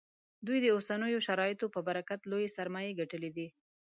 دوی د اوسنیو شرایطو په برکت لویې سرمایې ګټلې دي